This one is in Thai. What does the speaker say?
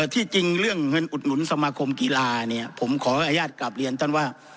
ที่จริงเรื่องเงินอุดหนุนสมาคมกีฬาเนี่ยผมขออนุญาตกลับเรียนท่านว่า